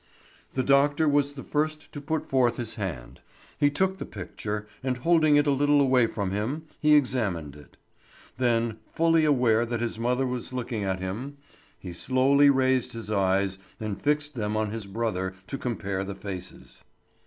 The doctor was the first to put forth his hand; he took the picture, and holding it a little away from him, he examined it. Then, fully aware that his mother was looking at him, he slowly raised his eyes and fixed them on his brother to compare the faces.